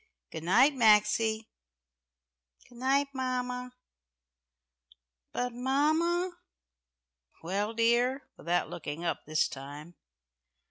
"Good night, Maxie." "Good night, mamma. But mamma " "Well, dear," without looking up this time.